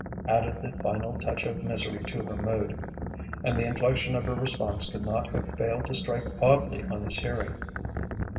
added the final touch of misery to her mood. And the inflection of her response could not have failed to strike oddly on his hearing.